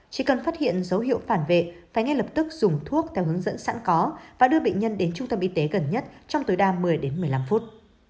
chỉ cần phát hiện dấu hiệu phản vệ phải ngay lập tức dùng thuốc theo hướng dẫn sẵn có và đưa bệnh nhân đến trung tâm y tế gần nhất trong tối đa một mươi đến một mươi năm phút